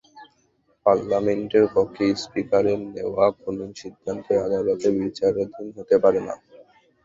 পার্লামেন্টের কক্ষে স্পিকারের নেওয়া কোনো সিদ্ধান্তই আদালতের বিচারাধীন হতে পারে না।